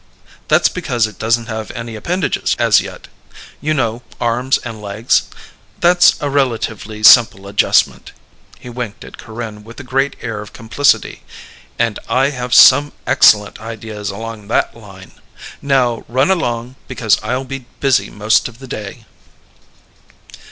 "That's because it doesn't have any appendages as yet. You know, arms and legs. That's a relatively simple adjustment." He winked at Corinne with a great air of complicity. "And I have some excellent ideas along that line. Now, run along, because I'll be busy most of the day."